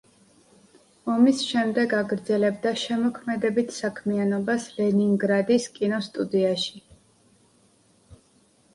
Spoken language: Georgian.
ომის შემდეგ აგრძელებდა შემოქმედებით საქმიანობას ლენინგრადის კინოსტუდიაში.